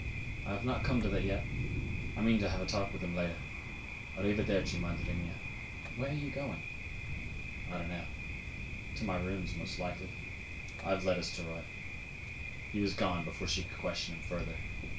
"I have not come to that yet. I mean to have a talk with him later. A riverdervi, Madre mia." "Where are you going?" "I don't know. To my rooms, most likely. I have letters to write." He was gone before she could question him further.